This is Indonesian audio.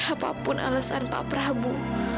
apapun alasan pak prabu